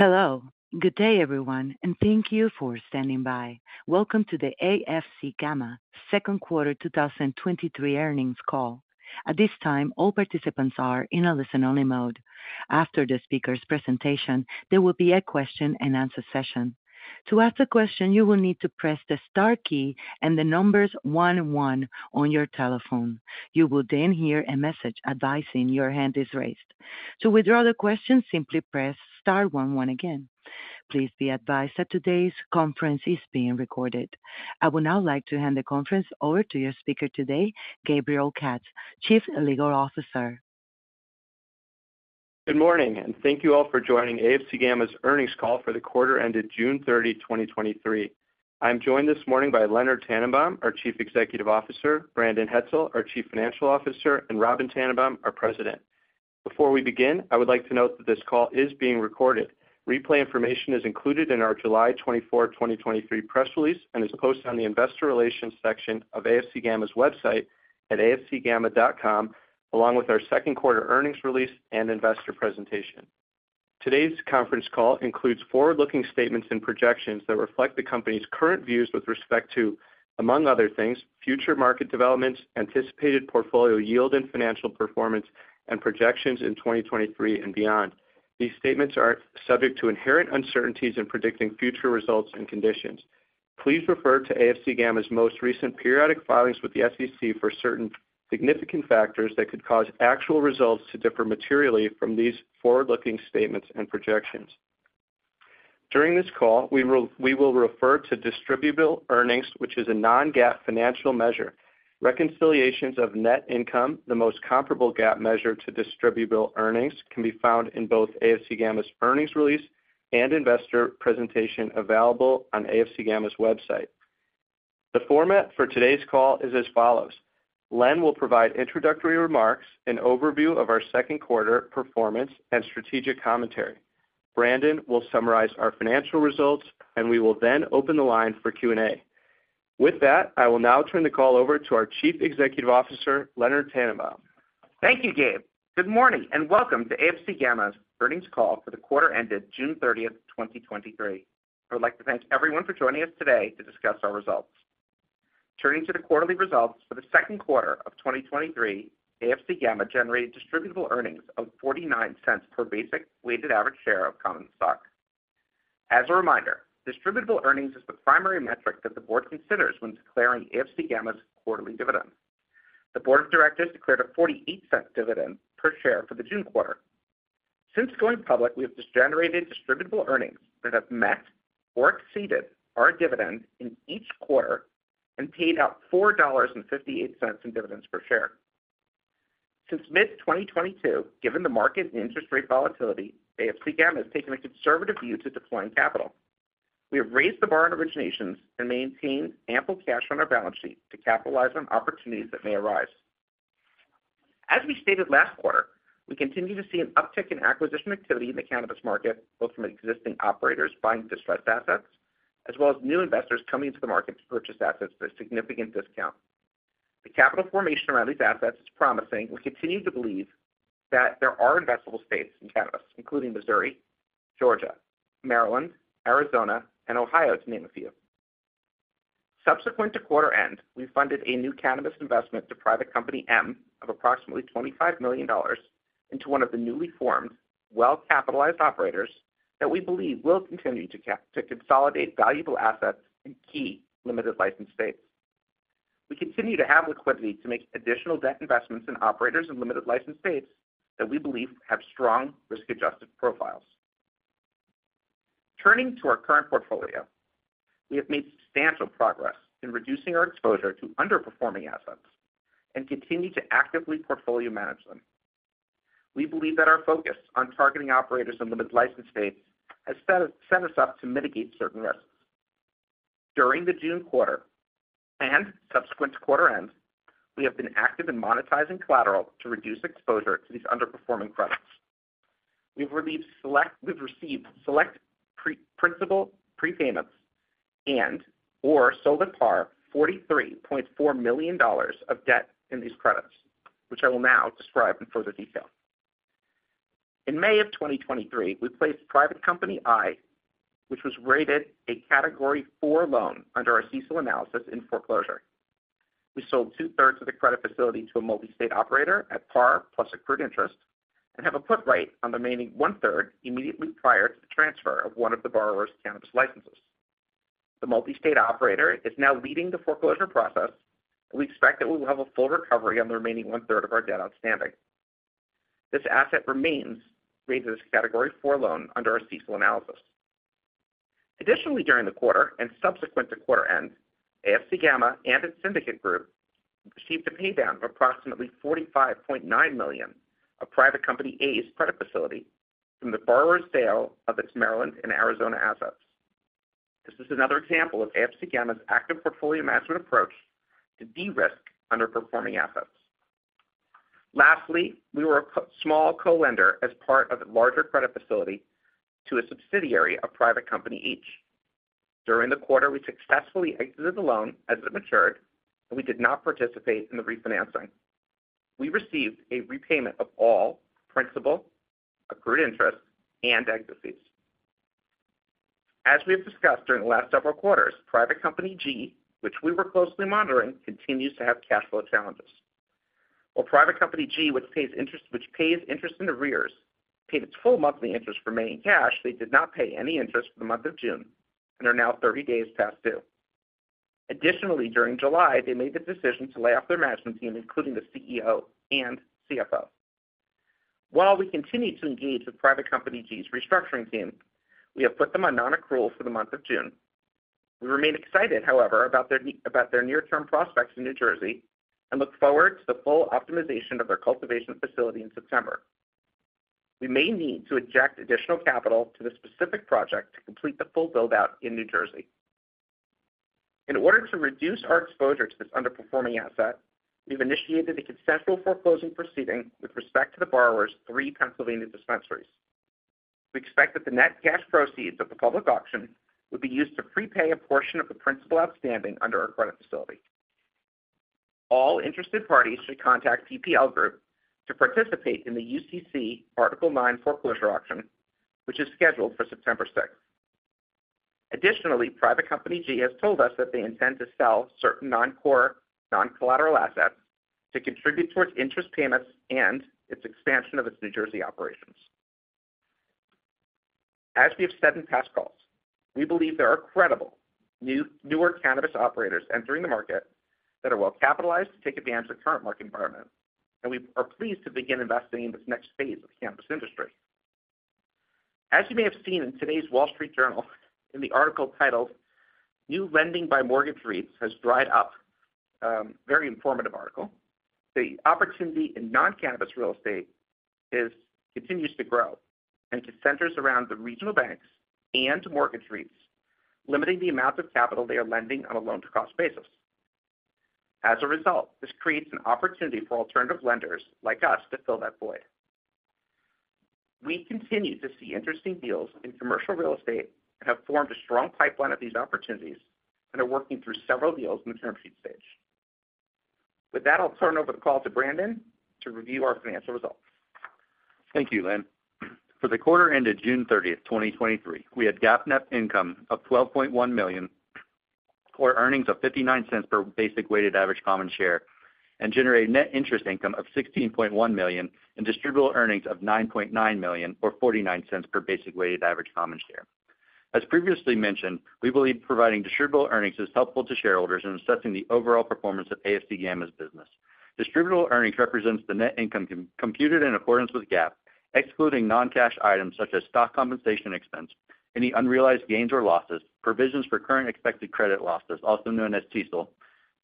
Hello. Good day, everyone, and thank you for standing by. Welcome to the AFC Gamma Second Quarter 2023 earnings call. At this time, all participants are in a listen-only mode. After the speaker's presentation, there will be a question-and-answer session. To ask a question, you will need to press the star key and the numbers one one on your telephone. You will then hear a message advising your hand is raised. To withdraw the question, simply press star one one again. Please be advised that today's conference is being recorded. I would now like to hand the conference over to your speaker today, Gabriel Katz, Chief Legal Officer. Good morning, and thank you all for joining AFC Gamma's earnings call for the quarter ended June 30, 2023. I'm joined this morning by Leonard Tannenbaum, our Chief Executive Officer, Brandon Hetzel, our Chief Financial Officer, and Robyn Tannenbaum, our President. Before we begin, I would like to note that this call is being recorded. Replay information is included in our July 24, 2023 press release and is posted on the Investor Relations section of AFC Gamma's website at afcgamma.com, along with our second quarter earnings release and investor presentation. Today's conference call includes forward-looking statements and projections that reflect the company's current views with respect to, among other things, future market developments, anticipated portfolio yield and financial performance, and projections in 2023 and beyond. These statements are subject to inherent uncertainties in predicting future results and conditions. Please refer to AFC Gamma's most recent periodic filings with the SEC for certain significant factors that could cause actual results to differ materially from these forward-looking statements and projections. During this call, we will refer to Distributable Earnings, which is a non-GAAP financial measure. Reconciliations of net income, the most comparable GAAP measure to Distributable Earnings, can be found in both AFC Gamma's earnings release and investor presentation available on AFC Gamma's website. The format for today's call is as follows: Len will provide introductory remarks, an overview of our second quarter performance and strategic commentary. Brandon will summarize our financial results, and we will then open the line for Q&A. With that, I will now turn the call over to our Chief Executive Officer, Leonard Tannenbaum. Thank you, Gabe. Good morning, welcome to AFC Gamma's earnings call for the quarter ended June 30th, 2023. I would like to thank everyone for joining us today to discuss our results. Turning to the quarterly results for the second quarter of 2023, AFC Gamma generated Distributable Earnings of $0.49 per basic weighted average share of common stock. As a reminder, Distributable Earnings is the primary metric that the board considers when declaring AFC Gamma's quarterly dividend. The board of directors declared a $0.48 dividend per share for the June quarter. Since going public, we have just generated Distributable Earnings that have met or exceeded our dividend in each quarter and paid out $4.58 in dividends per share. Since mid 2022, given the market and interest rate volatility, AFC Gamma has taken a conservative view to deploying capital. We have raised the bar on originations and maintained ample cash on our balance sheet to capitalize on opportunities that may arise. As we stated last quarter, we continue to see an uptick in acquisition activity in the cannabis market, both from existing operators buying distressed assets as well as new investors coming into the market to purchase assets at a significant discount. The capital formation around these assets is promising. We continue to believe that there are investable states in cannabis, including Missouri, Georgia, Maryland, Arizona, and Ohio, to name a few. Subsequent to quarter end, we funded a new cannabis investment to Private Company M of approximately $25 million into one of the newly formed, well-capitalized operators that we believe will continue to consolidate valuable assets in key limited license states. We continue to have liquidity to make additional debt investments in operators in limited license states that we believe have strong risk-adjusted profiles. Turning to our current portfolio, we have made substantial progress in reducing our exposure to underperforming assets and continue to actively portfolio manage them. We believe that our focus on targeting operators in limited license states has set us up to mitigate certain risks. During the June quarter and subsequent to quarter end, we have been active in monetizing collateral to reduce exposure to these underperforming credits. We've received select principal prepayments and or sold at par $43.4 million of debt in these credits, which I will now describe in further detail. In May 2023, we placed Private Company I, which was rated a Category 4 loan under our CECL analysis in foreclosure. We sold two-thirds of the credit facility to a multi-state operator at par, plus accrued interest, and have a put right on the remaining one-third immediately prior to the transfer of one of the borrower's cannabis licenses. The multi-state operator is now leading the foreclosure process, and we expect that we will have a full recovery on the remaining one-third of our debt outstanding. This asset remains rated as a Category 4 loan under our CECL analysis. Additionally, during the quarter and subsequent to quarter end, AFC Gamma and its syndicate group received a paydown of approximately $45.9 million of Private Company A's credit facility from the borrower's sale of its Maryland and Arizona assets. This is another example of AFC Gamma's active portfolio management approach to de-risk underperforming assets. Lastly, we were a small co-lender as part of a larger credit facility to a subsidiary of Private Company H. During the quarter, we successfully exited the loan as it matured, and we did not participate in the refinancing. We received a repayment of all principal, accrued interest, and exit fees. As we have discussed during the last several quarters, Private Company G, which we were closely monitoring, continues to have cash flow challenges. While Private Company G, which pays interest, which pays interest in arrears, paid its full monthly interest for May in cash, they did not pay any interest for the month of June and are now 30 days past due. Additionally, during July, they made the decision to lay off their management team, including the CEO and CFO. While we continue to engage with Private Company G's restructuring team, we have put them on non-accrual for the month of June. We remain excited, however, about their near-term prospects in New Jersey and look forward to the full optimization of their cultivation facility in September. We may need to inject additional capital to this specific project to complete the full build-out in New Jersey. In order to reduce our exposure to this underperforming asset, we've initiated a consensual foreclosing proceeding with respect to the borrower's three Pennsylvania dispensaries. We expect that the net cash proceeds of the public auction will be used to prepay a portion of the principal outstanding under our credit facility. All interested parties should contact PPL Group to participate in the UCC Article 9 foreclosure auction, which is scheduled for September sixth. Additionally, Private Company G has told us that they intend to sell certain non-core, non-collateral assets to contribute towards interest payments and its expansion of its New Jersey operations. As we have said in past calls, we believe there are credible new, newer cannabis operators entering the market that are well-capitalized to take advantage of the current market environment, and we are pleased to begin investing in this next phase of the cannabis industry. As you may have seen in today's Wall Street Journal, in the article titled, "New Lending by Mortgage REITs Has Dried Up." Very informative article. The opportunity in non-cannabis real estate continues to grow and centers around the regional banks and mortgage REITs, limiting the amount of capital they are lending on a loan-to-cost basis. As a result, this creates an opportunity for alternative lenders like us to fill that void. We continue to see interesting deals in commercial real estate and have formed a strong pipeline of these opportunities and are working through several deals in the term sheet stage. With that, I'll turn over the call to Brandon to review our financial results. Thank you, Len. For the quarter ended June 30th, 2023, we had GAAP net income of $12.1 million, or earnings of $0.59 per basic weighted average common share, and generated net interest income of $16.1 million, and Distributable Earnings of $9.9 million, or $0.49 per basic weighted average common share. As previously mentioned, we believe providing Distributable Earnings is helpful to shareholders in assessing the overall performance of AFC Gamma's business. Distributable Earnings represents the net income computed in accordance with GAAP, excluding non-cash items such as stock compensation expense, any unrealized gains or losses, provisions for current expected credit losses, also known as CECL,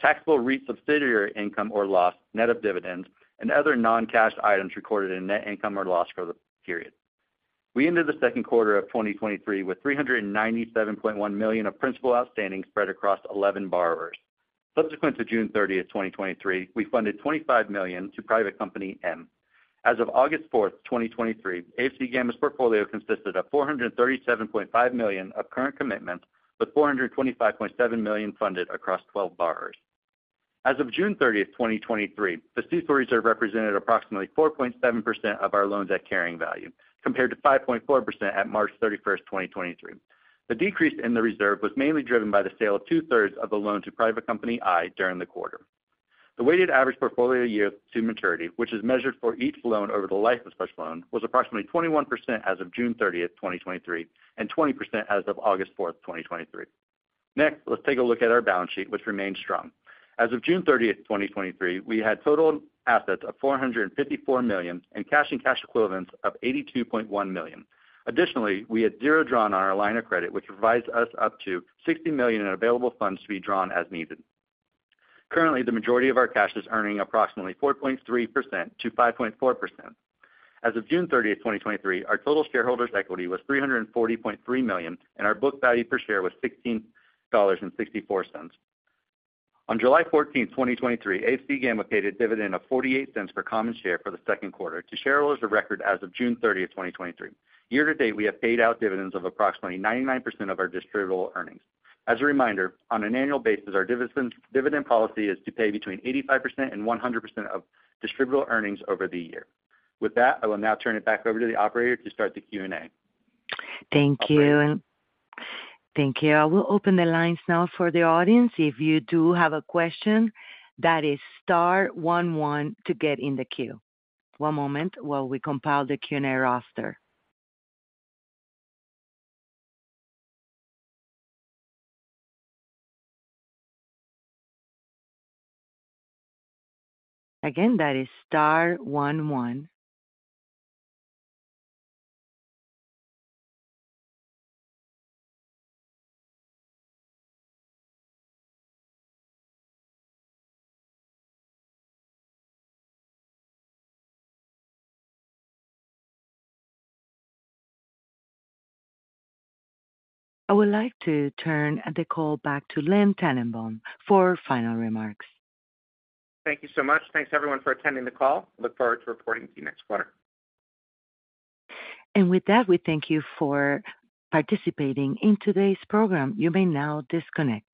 taxable REIT subsidiary income or loss, net of dividends, and other non-cash items recorded in net income or loss for the period. We ended the second quarter of 2023 with $397.1 million of principal outstanding spread across 11 borrowers. Subsequent to June 30th, 2023, we funded $25 million to Private Company M. As of August 4th, 2023, AFC Gamma's portfolio consisted of $437.5 million of current commitments, with $425.7 million funded across 12 borrowers. As of June 30th, 2023, the CECL reserve represented approximately 4.7% of our loans at carrying value, compared to 5.4% at March 31st, 2023. The decrease in the reserve was mainly driven by the sale of two-thirds of the loan to Private Company I during the quarter. The weighted average portfolio yield to maturity, which is measured for each loan over the life of such loan, was approximately 21% as of June 30th, 2023, and 20% as of August 4th, 2023. Next, let's take a look at our balance sheet, which remains strong. As of June 30th, 2023, we had total assets of $454 million and cash and cash equivalents of $82.1 million. Additionally, we had 0 drawn on our line of credit, which provides us up to $60 million in available funds to be drawn as needed. Currently, the majority of our cash is earning approximately 4.3% 5.4%. As of June 30, 2023, our total shareholders' equity was $340.3 million, and our book value per share was $16.64. On July 14, 2023, AFC Gamma paid a dividend of $0.48 per common share for the second quarter to shareholders of record as of June 30, 2023. Year to date, we have paid out dividends of approximately 99% of our Distributable Earnings. As a reminder, on an annual basis, our dividend policy is to pay between 85% and 100% of Distributable Earnings over the year. With that, I will now turn it back over to the operator to start the Q&A. Thank you. Thank you. I will open the lines now for the audience. If you do have a question, that is star 11 to get in the queue. One moment while we compile the Q&A roster. Again, that is star 11. I would like to turn the call back to Leonard Tannenbaum for final remarks. Thank you so much. Thanks, everyone, for attending the call. Look forward to reporting to you next quarter. With that, we thank you for participating in today's program. You may now disconnect.